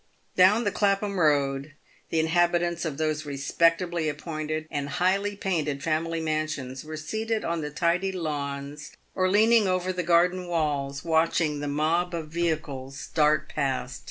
Down the Clapham road the inhabitants of those respectably appointed and highly painted family mansions were seated on the tidy lawns, or leaning over the garden walls, watching the mob of vehicles dart past.